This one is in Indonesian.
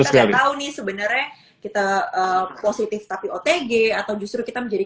kita nggak tahu nih sebenarnya kita positif tapi otg atau justru kita menjadi